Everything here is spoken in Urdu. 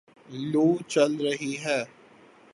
لوُ چل رہی ہے